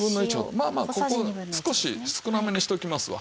まあまあここ少し少なめにしておきますわ。